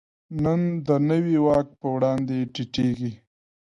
نن د نوي واک په وړاندې ټیټېږي.